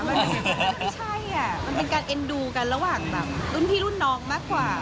มันไม่ใช่อ่ะมันเป็นการเอ็นดูกันระหว่างแบบรุ่นพี่รุ่นน้องมากกว่า